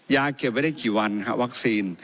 เก็บไว้ได้กี่วันครับวัคซีน